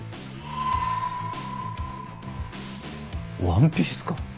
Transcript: ワンピースか。